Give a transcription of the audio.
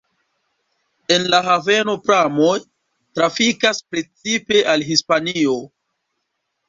En la haveno pramoj trafikas precipe al Hispanio.